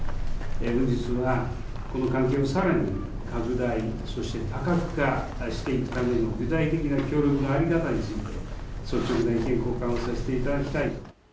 本日は、この関係をさらに拡大、そして多角化していくためにも具体的な協力の在り方について、率直な意見交換をさせていただきたい。